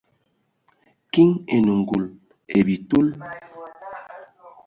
Kiŋ enə ngul ai bitil.